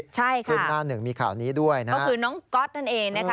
ใช่ค่ะขึ้นหน้าหนึ่งมีข่าวนี้ด้วยนะครับก็คือน้องก๊อตนั่นเองนะคะ